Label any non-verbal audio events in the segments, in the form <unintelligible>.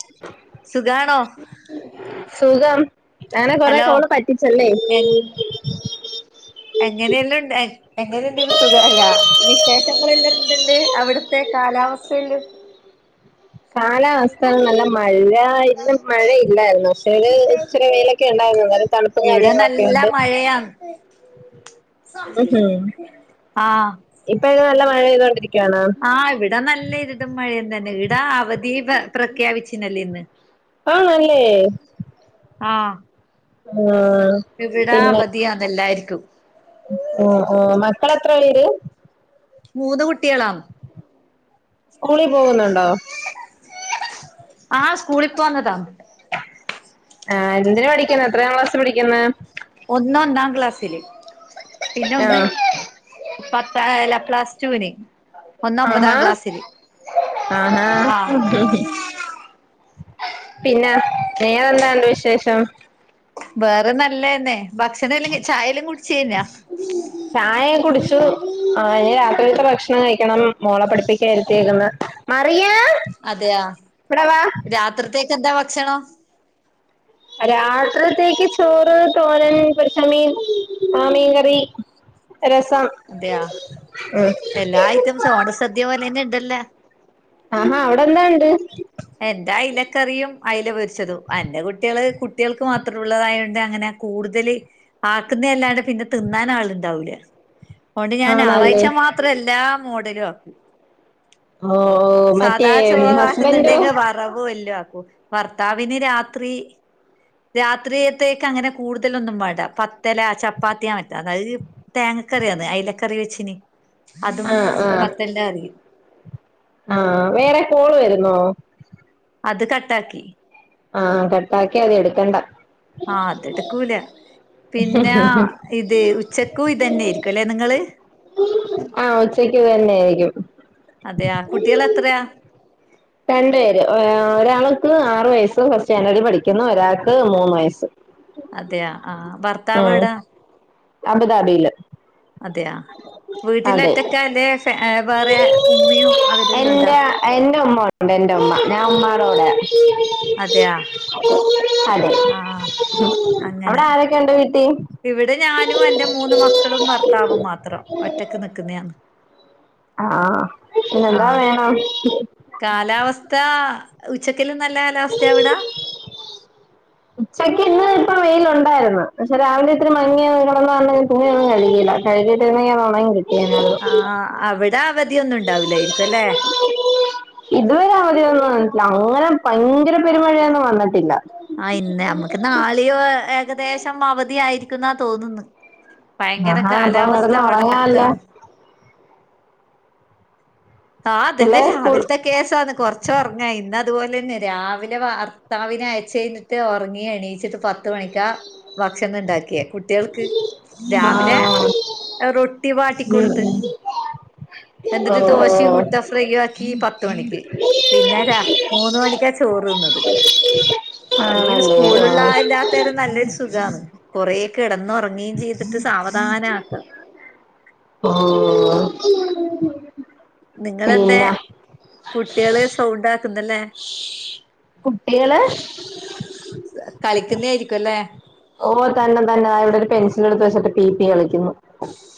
<unintelligible> സുഖാണോ സുഖം ഞാൻ കൊറെ ഹലോ കോള് പറ്റിച്ചല്ലേ എങ്ങനെയല്ലാംണ്ട് എങ്ങനെയണ്ട് സുഖല്ല വിശേഷങ്ങളെല്ലാംന്ത്‌ണ്ട് അവിടുത്തെ കാലാവസ്ഥയെല്ലും കാലാവസ്ഥ നല്ല മഴ ആ ഇന്നും മഴ ഇല്ലായിരുന്നു പക്ഷെ ഒരു ഇച്ചിരി വെയിലൊക്കെ ഉണ്ടായിരുന്നു തണുപ്പും കാര്യങ്ങളൊക്കെ ഉണ്ട് മഴയാന്ന് ആഹ് ഇപ്പ ഇത് നല്ല മഴ പെയ്തൊണ്ടിരിക്കാണോ ഇപ്പഴും മഴ തന്നെ ഇവിടെ അവധി പ്രഖ്യാപിച്ചിനല്ലേ ഇന്ന് ആണല്ലേ ആ ആഹ് ഇവിടാ അവധിയാന്ന് എല്ലാരിക്കും ആ ആ മക്കള് എത്ര പേര് മൂന്ന് കുട്ട്യേളാ സ്കൂളി പോവുന്നുണ്ടോ ആ സ്കൂളി പോന്നതാ ആ എന്തിനാ പഠിക്കുന്ന് എത്രാം ക്ലാസ്സ് പഠിക്ക്ന്ന് ഒന്ന് ഒന്നാം ക്ലാസ്സില് പിന്നെ ഒന്ന് ആഹ് പത്താം അല്ല പ്ലസ്ടൂ ന് ആഹാ ആഹ ആഹ് പിന്നെ വേറെഎന്തൊണ്ട് വിശേഷം വേറെ നല്ലന്നെ ഭക്ഷണ എല്ലാം ചായെല്ലാം കുടിച്ചേഞ്ഞാ ചായ കുടിച്ചു ആ ഇനി രാത്രിത്തെ ഭക്ഷണം കയിക്കണം മോള പഠിപ്പിക്കായിരുത്തേക്കുന്ന് മറിയാ അതെയാ രാത്രിത്തേക്ക് എന്താ ഭക്ഷണം രാത്രിത്തേക്ക് ചോറ് തോരൻ പൊരിച്ചമീൻ ആ മീൻ കറി രസം അതെയാ ഉം എല്ലാ ഐറ്റസും ഓണസദ്യ പോലെ തന്നെ ഇണ്ടല്ലേ ആഹാ അവിടെന്താ ഉണ്ട് എന്റെ അയിലക്കറിയും അയില പൊരിച്ചതും എന്റെ കുട്ടികള് കുട്ടികൾക്ക് മാത്രം ഉള്ളതായൊണ്ട് അങ്ങനെ കൂടുതല് ആക്കുന്ന അല്ലാതെ പിന്നെ തിന്നാൻ ആളുണ്ടാവൂല്ല അതൊണ്ട് ആണല്ലേ ഞായറാഴ്ച മാത്രം എല്ലാ മോഡലും ആക്കൂ ഓഹ് ഓഹ് മറ്റേ ഹസ്ബന്റോ വറവ് വല്ലു ആക്കൂ ഭർത്താവിന് രാത്രി രാത്രിയത്തേക്ക് അങ്ങനെ കൂടുതലൊന്നും വേണ്ട പത്തലാ ചപ്പാത്തിയാ പറ്റ അതായത് തേങ്ങക്കറിയന്ന് അയ്ലക്കറി വെച്ചനി അതും ആ പത്തെല്ലാം അറിയും ആഹ് വേറെ കോള് വരുന്നോ? അത് കട്ടാക്കി ആഹ് കട്ടാക്കിയാ മതി എടുക്കണ്ട ആഹ് അതെടുക്കൂല പിന്നെ ഇത് ഉച്ചക്കും ഇതന്നേയിരിക്കും അല്ലേ നിങ്ങള് ആഹ് ഉച്ചക്ക് തന്നെ ആയിരിക്കും അതെയാ കുട്ടികള് എത്രയാ രണ്ട് പേര് ഒരാൾക്ക് ആറു വയസ്സ് ഫസ്റ്റ് സ്റ്റാൻഡേർഡിൽ പഠിക്കുന്നു ഒരാൾക്ക് മൂന്ന് വയസ്സ് അതെയാ ആഹ് ഭർത്താവ് ഉം എവിടാ അബുദാബിയില് അതെയാ വീട്ടില് അതെ ഒറ്റക്കല്ലേ വേറെ ഉമ്മയും അവരെല്ലാം ഉണ്ടാ എന്റെ എന്റെ ഉമ്മണ്ട് എന്റുമ്മ ഞാൻ ഉമ്മാടൂടാ അതെയാ അതെ ആഹ് അങ്ങനെ അവിടെ ആരൊക്കെ ഉണ്ട് വീട്ടി ഇവിടെ ഞാനും എന്റെ മൂന്ന് മക്കളും ഭർത്താവും മാത്രം ഒറ്റക്ക് നിക്കുന്നയാണോ ആഹ് പിന്നെന്തോ ആഹ് വേണം കാലാവസ്ഥ ഉച്ചക്കിലും നല്ല കാലാവസ്ഥയാ അവിട ഉച്ചക്ക് ഇന്ന് ഇപ്പം വെയില് ഉണ്ടായിരുന്നു പക്ഷെ രാവിലെ ഇത്തിരി മങ്ങി കിടന്ന് പിന്നെ ഒന്നും കഴികില്ല കഴുകി ഇട്ടിരുന്നെങ്കിൽ ഉണങ്ങി കിട്ടിയേനെ അത് ആ അവിടെ അവധിയൊന്നും ഉണ്ടാവൂലായിരിക്കും അല്ലെ ഇതുവരെ അവധിയൊന്നും വന്നിട്ടില്ല അങ്ങനെ ഭയങ്കര പെരുമഴയൊന്നും വന്നിട്ടില്ല ആ ഇന്ന് നമ്മുക്ക് നാളെയോ ഏകദേശം അവധിയായിരിക്കും എന്നാ തോന്നുന്നു ഭയങ്കര ആഹാ അപ്പൊ കാലാവസ്ഥ കിടന്ന് ഉറങ്ങാല്ലോ വടക്കാം ആഹ് അതന്നെ പിള്ളേര് സ്കൂൾ രാവിലത്തെ കേസാന്ന് കുറച്ച് ഉറങ്ങ ഇന്ന അതുപോലെ തന്നെ രാവിലെ ഭർത്താവിനെ അയിച്ചയിഞ്ഞി റ്റെ ഉറങ്ങി എണീച്ചിട്ട് പത്ത് മണിക്കാ ഭക്ഷണം ഉണ്ടാക്കിയേ കുട്ടികൾക്ക് ആ രാവിലെ റ റൊട്ടി ഉം വാട്ടിക്കൊടുത്ത് ഉം എന്തന്നിട്ട് ഓ ദോഷ ചറ്റി ഓ മുട്ട ഫ്രൈയും ആക്കി പത്തുമണിക്ക് പിന്നെ മൂന്ന് മണിക്കാ ചോറുതിന്നത് ഈ ആണല്ലേ സ്കൂളുള്ള എല്ലാ ലും നല്ലൊരു സുഖണ് കുറേ കിടന്നുറങ്ങേം ചെയ്തിട്ട് സാവധാനം ആക്ക ആഹ് നിങ്ങളെന്തേ കുട്ടികള് സൗണ്ട ആക്കുന്നല്ലേ കുട്ടികള് കളിക്കുന്നേ ആയിരിക്കും അല്ലേ. ഓ തന്നെ തന്നെ, അവിടെ ഒരു പെൻസൽ എടുത്ത് വച്ചിട്ട് പിപി കളിക്കുന്നു.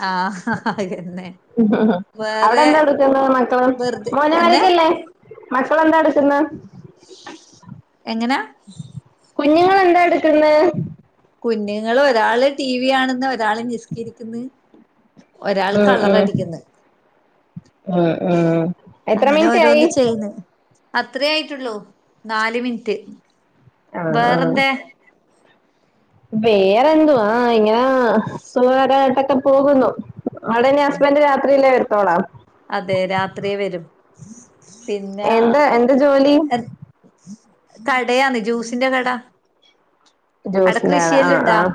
ആഹ അതന്നെ. അവിടെ വേറെ എന്താ എടുക്കുന്ന് മക്കള്? വെറുതെ എന്താ മക്കളെന്താ എടുക്കുന്നെ? എങ്ങന? കുഞ്ഞുങ്ങൾ എന്താ എടുക്കുന്നേ? കുഞ്ഞുങ്ങൾ ഒരാള് ടിവി കാണ്ന്ന്. ഒരാള് നിസ്കരിക്കുന്ന്. ഒരാള് ഉം ഉം കളറടിക്കുന്ന്. ഉം ഉം എത്ര അങ്ങനെ മിനിറ്റ് ആയി ഓരോന്ന് ചെയ്യന്ന്. അത്രേ ആയിട്ടുള്ളൂ, നാല് മിനിറ്റ് ആഹ് ആഹ് വേറെന്തേ? വേറെന്തുവാ. ഇങ്ങനെ സുഖായിട്ടൊക്കെ പോകുന്നു. അവിടെ ന്ന ഹസ്ബന്റ് രാത്രില്ല വരുത്തോളാ? അതെ രാത്രി വരും. പിന്ന, എന്താ എന്ത് ജോലി കടയാണ് ജ്യൂസിന്റെ കട. അവിടെ ജ്യൂസിന്റെ കട. ആഹ കൃഷിയെല്ലാം ഉണ്ടാ ആഹ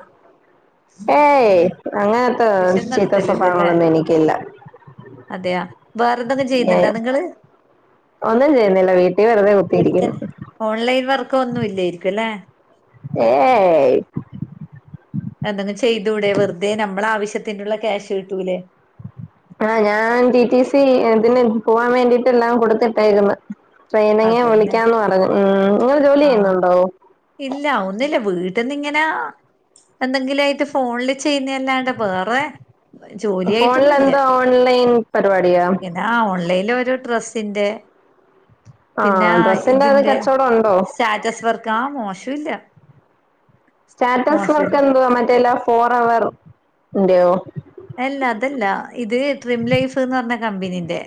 ഏയ് അങ്ങനത്ത കൃഷിയൊന്നും ചീത്ത നടത്തലില്ലല്ലേ സ്വഭാവങ്ങളൊന്നും എനിക്കില്ല. അതെയാ. വേറെ എന്തെങ്കും ചെയ്യുന്നുണ്ടോ നിങ്ങള്? ഒന്നും ചെയ്യുന്നില്ല വീട്ടിൽ വെറുതെ കുത്തിയിരിക്കുന്നു വീട്ടുത്തന്നെ. ഓൺലൈൻ വർക്ക് ഒന്നും ഇല്ലായിരിക്കും അല്ലെ. ഏയ് എന്തെങ്കും ചെയ്തുടെ. വെറുതെ നമ്മളെ ആവശ്യത്തിനുള്ള ക്യാഷ് കിട്ടൂലേ. ആഹ ഞാൻ ടി റ്റി സി ഇതിന് പോവാൻ വേണ്ടിട്ട് എല്ലാം കൊടുത്തിട്ടേക്കുന്നു. ട്രെയിനങ്ങിനു അതന്നെ വിളിക്കാന്ന് പറഞ്ഞു. ഉം നിങ്ങള് ജോലി ആഹ് ചെയ്യുന്നുണ്ടോ? ഇല്ല ഒന്നില്ല വീട്ടന്ന ഇങ്ങനാ. എന്തെങ്കിലും ആയിട്ട് ഫോണില് ചെയ്യുന്നല്ലാണ്ട്. വേറെ, ജോലിയായിട്ടൊന്നുല്ല ഫോണിലെന്താ ഓൺലൈൻ പരിപാടിയാ. പിന്നെ ആ ഓൺലൈനിൽ ഒരു ഡ്രസ്സിന്റെ. പിന്നെ ആ ഡ്രസ്സിന്റെ അത് ഇതിന്റെ കച്ചവടം ഉണ്ടോ സ്റ്റാറ്റസ് വർക്ക്. ആ മോശം ഇല്ല. സ്റ്റാറ്റസ് വർക്ക് എന്തുവാ. മറ്റേല്ല ഫോറെവെർ ന്റെയോ? അല്ല അതല്ല. ഇത് ട്രീം ലൈഫ് എന്ന് പറഞ്ഞ കമ്പനീന്റെ.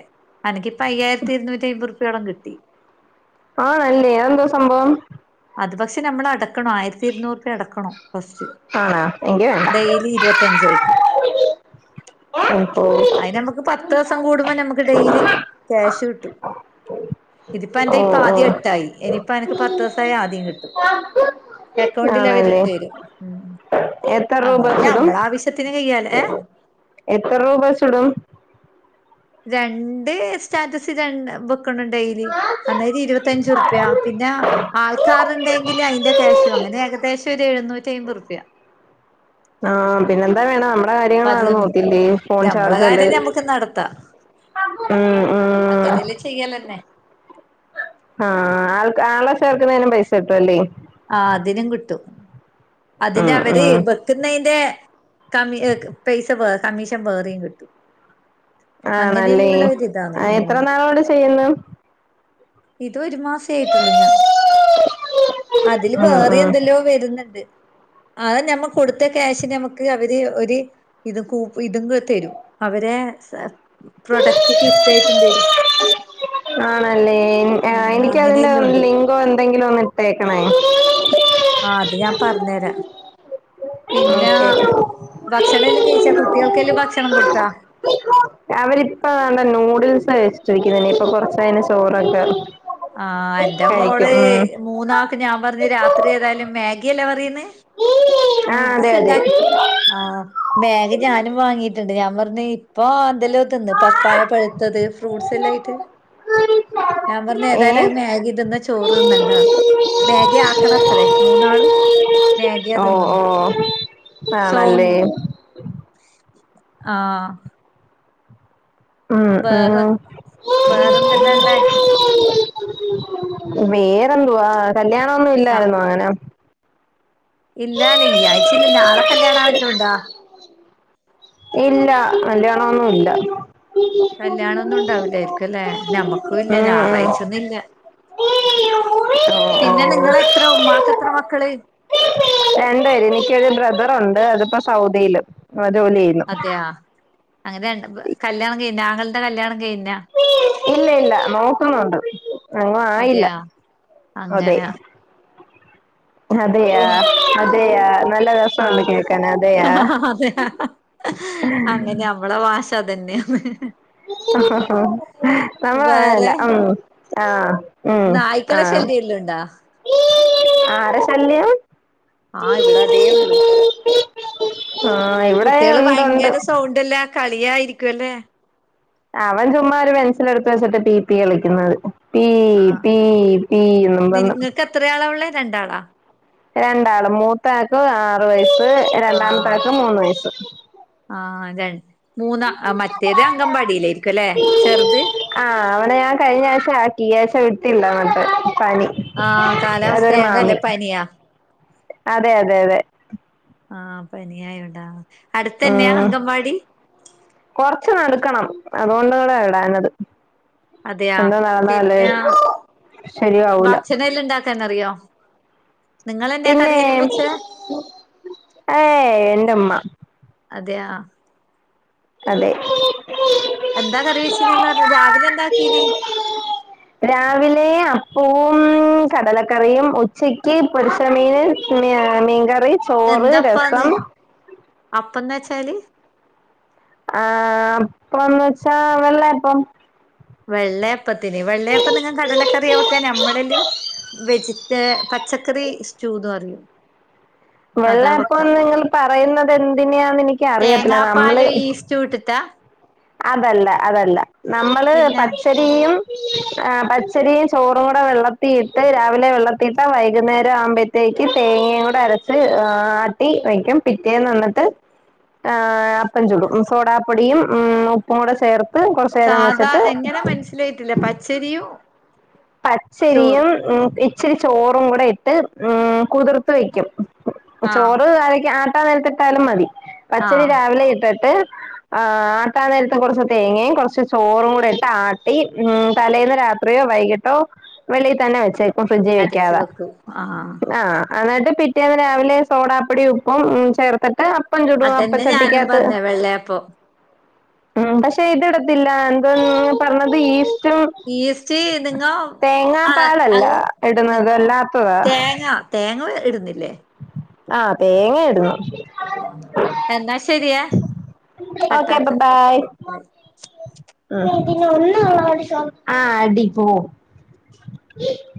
അനിക്കിപ്പം അയ്യായിത്തി ഇരുന്നൂറ്റി അമ്പത് രൂപയോളം കിട്ടി. ആ നല്ലേ അത് എന്താ സംഭവം. അത് പക്ഷെ നമ്മള അടക്കണം. ആയിരത്തി ഇരുന്നൂറ് റുപിയ അടക്കണം ഫസ്റ്റ്. ആണാ എങ്കി ഡെയിലി വേണ്ട ഇരുപത്തഞ്ചായിട്ട്. അത് <unintelligible> നമുക്ക് പത്ത് ദിവസം കൂടുമ്പോ നമുക്ക് ഡെലി ക്യാഷ് കിട്ടും. ഇതിപ്പ എന്റെ ഓ ഇപ്പ ഓ ആദ്യം എട്ടായി. ഇനിയിപ്പ എനിക്ക് പത്ത് ദിവസമായി ആദ്യം കിട്ടും. അക്കൗണ്ടില് അവര് ആണല്ലേ ഇട്ടു തരും. എത്ര രൂപ ആണോ. ചുടും നമ്മള ആവശ്യത്തിന് കൈയാലേ. ഏ എത്ര രൂപച്ചുടും? രണ്ട് സ്റ്റാറ്റസി, ഇടമ്പോ കൊണ്ട് ഡെയിലി. അന്നേരം ഇരുപത്തഞ്ചു റുപിയ, പിന്ന ആളൾക റ് ണ്ടെങ്കിൽ അതിന്റെ ക്യാഷും. അങ്ങനെ ഏകദേശം ഒരു എഴുന്നൂറ്റിമ്പത് റുപ്യ. ആഹ പിന്നെന്താ വേണം. ടാ കാര്യങ്ങള് പതിനൊന്ന് നടന്നുപോവതില്ലേ. ഫോൺ നമ്മളെ ചാർജയില്. കാര്യം ഞമ്മക്ക് ഉം ഉം. അങ്ങനെ യെല്ലേ ചെയ്യാലന്നെ. ആഹ ആ ആൾക്ക ആളെ ചേർക്കുന്നേനും പൈസ കിട്ടും അല്ലേ. ആ അതിനും കിട്ടും. അതിന്റെ ഉം അവരെ ഉം ബ പിന്നതിന്റെ കമ്മി പൈസേ കമ്മീഷൻ വേറെയും കിട്ടും. അങ്ങനെയൊക്കെ ഉള്ള ഒരിതാണ് ഞോടെ ചെയ്യുന്നു ഇത് ഒരു മാസം ചെയ്ട്ടുള്ളു ഞാൻ അതില് ഉം വേറെ ഉം എന്തെല്ലോ വരുന്നുണ്ട് അത ഞമ്മ കൊടുത്ത ക്യാഷ് ഞമ്മക്ക് അവര് ഒരു ഇതും കൂ ഇതും തരും അവരെ പ്രൊഡക്റ്റ് ഗിഫ്റ്റ് ആയിട്ടും തരും ആണല്ലേ ഉം എനിക്കതിന്റെ അങ്ങനെയെല്ലാം ഉണ്ട് ലി എന്തെങ്കിലും ഒന്ന് ഇട്ടേക്കണേ ആ അത് ഞാൻ പറഞ്ഞേരാ പിന്നെ ഓക്കെ ഭക്ഷണെല്ലാം കഴിച്ച കുട്ടികൾക്കെല്ലാം ഭക്ഷണം കൊടുത്താ അവരിപ്പ എന്താ നൂഡിൽസ് കഴിചിട്ടിരിക്കുന്ന ഇപ്പൊ കൊറച്ച് കഴിഞ്ഞ ചോറൊക്കെ ആഹ് എന്റെ മോള് കഴിക്കും ഉം മൂന്നാക്ക് ഞാൻ പറഞ്ഞ് രാത്രി ഏതായാലും മാഗി അല്ലേ പറയന്ന് ആ അതെ അതെ ആ മാഗി ഞാനും വാങ്ങിയിട്ടുണ്ട് ഞാൻ പറഞ്ഞ് ഇപ്പൊ എന്തെലോ തിന്ന് പപ്പായ പഴുത്തത് ഫ്രൂട്ട്സ് ഇതെല്ലായിട്ട് ഏ എന്തായാലും അത് മാഗിതിന്ന് ചോറ് തിന്നണ്ട മാഗി ആക്കണത്രേ മൂന്നാളും മാഗിയാ ഓ ഓ തിന്നുന്നെ ആണല്ലേ ആ ഉം വേറെ വേറെന്തെല്ലാ ള്ളെ വേറെന്തുവാ കല്യാണൊന്നും ഇല്ലായിരുന്നോ അങ്ങനെ ഇല്ലല്ല ഈ ആഴ്ചല്ല നാളെ കല്യാണൊ മറ്റോണ്ടോ ഇല്ല കല്യാണൊന്നും ഇല്ല കല്യാണൊന്നും ഉണ്ടാവില്ലായിരിക്കും അല്ലേ ഞമ്മക്കും <unintelligible> ഇല്ല മം മം ഞായറാഴ്ചൊന്നും ഇല്ല പിന്നെ നിങ്ങളെത്ര ഉമ്മാക്ക് എത്ര മക്കള് രണ്ട്പേര് എനിക്ക്‌ ഒരു ബ്രദറുണ്ട് അതിപ്പോ സൗദിയിൽ ജോലി ചെയ്യുന്നു അതെയാ അങ്ങനെ കല്യാണം കയിഞ്ഞ ആങ്ങളടെ കല്യാണം കഴിഞ ഇല്ല ഇല്ല നോക്കുന്നുണ്ട് അങ്ങും ആയില്ല അതെയാ അതെ അങ്ങനെ അതെയ ഉം അതെയ നല്ല രസമുണ്ട് കേക്കാൻ അതെയാ ആഹ് അതെയ അങ്ങനെ നമ്മള ഭാഷ അതന്നെ ഹ് ഹ് ഹ് നമ്മൾ അങ്ങനല്ല വേറെ ഉം ആ ഉം നായ്ക്കളെ ആഹ ശല്യല്ലോണ്ടാ ആരെ ശല്യം ആഹ് ഇവിടെ അതേ ഉള്ളൂ ആഹ് ഇവിടെ കുട്ടികള് ഉണ്ട് ഉണ്ട് ഭയങ്കര സൗണ്ടല്ല കളിയായിരിക്കുവല്ലേ അവൻ ചുമ്മാ ഒരു പെൻസിൽ എടുത്തുവെച്ചിട്ട് പി പി കളിക്കുന്നത് പി ആഹ് പി പി എന്നും പറഞ്ഞു നിങ്ങക്ക് എത്രയാളാ ഉള്ളേ രണ്ടാളാ രണ്ടാള് മൂത്താൾക്ക് ആറു വയസ്സ് രണ്ടാമത്താൾക്ക് മൂന്ന് വയസ്സ് ആ ഇതാണ് മൂന്ന മറ്റേത് അങ്കമ്പാടിയിലായിരിക്കും അല്ലെ ചെറുത് ആഹ് അവിടെ ഞാൻ കഴിഞ്ഞ ആഴ്ച ആക്കി ഈ ആഴ്ച്ച വിട്ടില്ല അങ്ങട്ട് പനി ആഹ് കാലാവസ്ഥ അതൊരു ആയോണ്ടല്ലേ മാമി പനിയാ അതെ അതെ അതെ ആഹ് പനിയായോണ്ടാ അടുത്തന്നെയാ ഉം അങ്കൻവാടി കൊറച്ച് നടുക്കണം അതുകൊണ്ടുടാ വിടാനത് അതെയാ എന്താ നാടാല്ലേ പിന്നെ ശരിയാവൂല തന്നെ അറിയോ നിങ്ങളെന്ന പിന്നെ കറിയലും വച്ച് ഏയ് എന്റുമ്മ അതെയ അതെ എന്താ കറി വെച്ച്ന്ന്ന പറഞ് രാവിലെ എന്താക്കീന് രാവിലെ അപ്പവും കടലക്കറിയും ഉച്ചക്ക് പൊരിച്ചമീന് മീൻകറി ചോറ് രസം അപ്പം ന് വെച്ചാല് ആഹ് അപ്പം ന്ന് വെച്ചാ വെള്ളയപ്പം വെള്ളയപ്പത്തിന് വെള്ളയപ്പം നിങ്ങ കടലക്കറിയ വെക്കാ നമ്മളല്ലും വെജിറ്റ് പച്ചക്കറീ സ്റ്റൂത് അറിയൊ വെള്ളയപ്പന്ന് ഇങ്ങള് പറയ്ന്നത് എന്തിനെയാന്ന് എനിക്ക് അറിയത്തില്ല നമ്മള് ചൂട്ട്ത്താ അതല്ല അതല്ല നമ്മള് പച്ചെ <inaudible> ആഹ് പച്ചരീം ചോറും കുട വെള്ളത്തിയിട്ട് രാവിലെ വെള്ളത്തീട്ടാ വൈകുന്നേര ആവ്മ്പ തേക്ക് തേങ്ങീം കൂട അരച്ച് ആട്ടി വെക്കും പിറ്റേന്ന് അന്ന്ട്ട് ആഹ് അപ്പ ചുടും സോടാപ്പൊടിയും ഉം ഉപ്പും കൂടെ ചേർ കൊറ്ച്ചേരം വച്ച്ട്ട് ഇല്ലയ്റ്റല്ല പച്ചരിയും പച്ചരിയും ചോറും ഉം ഇച്ചിരി ചോറുംകുട ഇട്ട് ഉം കുതിർത്ത് വെക്കും ആഹ് ചോറ് കാലക്ക് ആട്ടാ നേരത്തിട്ടാലും മതി പച്ചരി ആഹ് രാവിലെ ഇട്ട്ട്ട് ആഹ് ആട്ടാ നേരത്ത് കൊറ്ച്ച് തേങ്ങിം കൊറ്ച്ച് ചോറും കൂട ഇട്ട് ആട്ടി ഉം തലേന്ന് രാത്രി വൈകി ട്ടോ വെളിയി തന്നെ വെച്ചേക്കു ഫ്രിഡ്ജി അരച്ച് വെക്കാതെ വെക്കും ആഹ് ആഹ് അന്നിട്ട് പിറ്റേന്ന് രാവിലെ സോടാപ്പൊടിം ഉപ്പും ചേർത്ത്ട്ട് അപ്പം ചുടൊ അപ്പ അതന്നെ ഞാനും ചട്ടിക്കകത്ത് പറഞ്ഞെ വെള്ളയപ്പം ഉം പഷെ ഇത്ട്ത്തില്ലാഎന്ത പറഞ്ഞത് ഈസ്റ്റും ഈസ്റ്റ് നിങ്ങൊ ആഹ് തേങ്ങാപ്പാലല്ല അത് ഇടുന്നത് നിങ്ങൊ അല്ലാത്തതാ തേങ്ങ തേങ്ങ ഇട്ന്നില്ലെ ആഹ് തേങ്ങ ഇട്ന്നു ആഹ് എന്നാ ശരിയെ കട്ടാക്ക് പിന്ന ആഹ് അടി പോ <unintelligible>